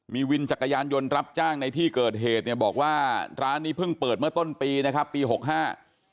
มีวินจักรยานยนต์รับจ้างในที่เกิดเหตุเนี่ยบอกว่าร้านนี้เพิ่งเปิดเมื่อต้นปีนะครับปีหกห้า